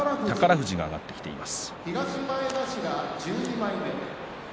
富士が上がってきています。